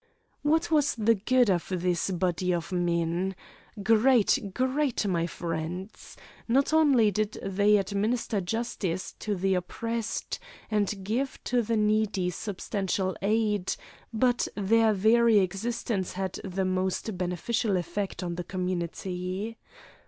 What was the good of this body of men? Great, great, my friends. Not only did they administer justice to the oppressed, and give to the needy substantial aid; but their very existence had the most beneficial effect on the community.